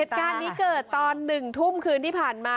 เหตุการณ์นี้เกิดตอน๑ทุ่มคืนที่ผ่านมา